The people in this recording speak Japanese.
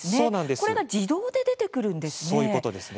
これが自動で出てくるんですね。